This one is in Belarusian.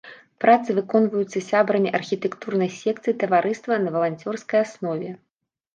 Працы выконваюцца сябрамі архітэктурнай секцыі таварыства на валанцёрскай аснове.